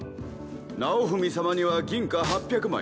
尚文様には銀貨８００枚。